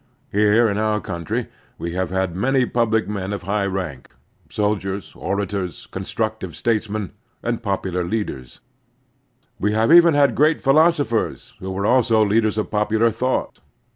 Here in otir country we have had many public men of high rank — soldiers, orators, con structive statesmen, and popular leaders. We have even had great philosophers who were also leaders of popular thought.